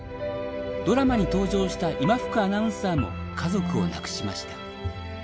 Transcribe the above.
ドラマに登場した今福アナウンサーも家族を亡くしました。